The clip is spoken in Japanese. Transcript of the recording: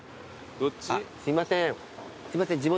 あっすいません。